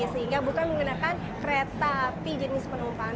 sehingga bukan menggunakan kereta api jenis penumpang